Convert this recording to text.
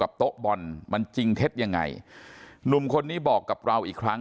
โต๊ะบอลมันจริงเท็จยังไงหนุ่มคนนี้บอกกับเราอีกครั้ง